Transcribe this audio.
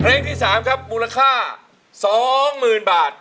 เพลงที่๓ครับมูลค่า๒๐๐๐บาท